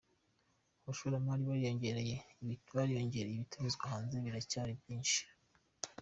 Abashoramari bariyongereye, ibitumizwa hanze biracyari byinshi